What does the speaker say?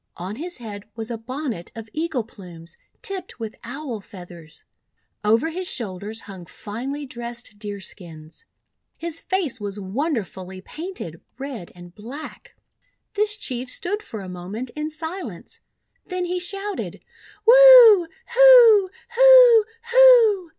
On his head was a bon net of eagle plumes tipped with Owl Feathers. Over his shoulders hung finely dressed deer skins. His face was wonderfully painted, red and black. This Chief stood for a moment in silence, then he shouted :— "Wu! Hu! Hu! Hu!"